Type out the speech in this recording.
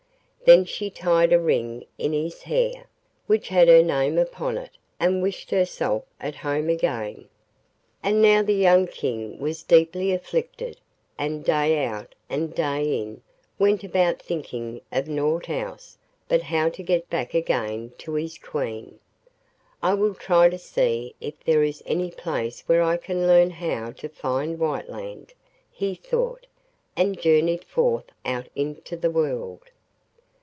Then she tied a ring in his hair, which had her name upon it, and wished herself at home again. And now the young King was deeply afflicted, and day out and day in went about thinking of naught else but how to get back again to his Queen. 'I will try to see if there is any place where I can learn how to find Whiteland,' he thought, and journeyed forth out into the world.